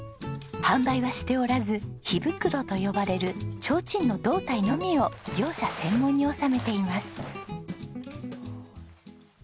販売はしておらず火袋と呼ばれる提灯の胴体のみを業者専門に納めています。